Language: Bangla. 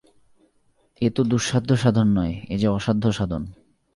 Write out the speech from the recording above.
এ তো দুঃসাধ্য সাধন নয়, এ যে অসাধ্য সাধন।